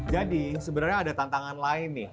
jadi sebenarnya ada tantangan lain nih